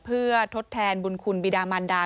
เพื่อทดแทนบุญคุณบิดามันดา